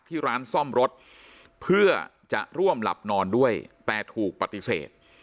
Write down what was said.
ที่ร้านซ่อมรถเพื่อจะร่วมหลับนอนด้วยแต่ถูกปฏิเสธ